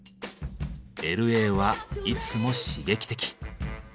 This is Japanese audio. Ｌ．Ａ．はいつも刺激的。